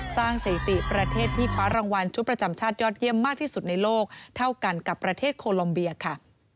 สถิติประเทศที่คว้ารางวัลชุดประจำชาติยอดเยี่ยมมากที่สุดในโลกเท่ากันกับประเทศโคลอมเบียค่ะ